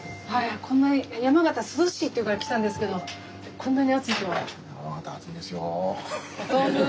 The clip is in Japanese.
山形涼しいって言うから来たんですけどこんなに暑いとは。